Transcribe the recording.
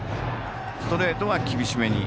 ストレートは厳しめに。